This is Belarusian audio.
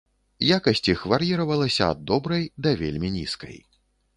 Якасць іх вар'іравалася ад добрай да вельмі нізкай.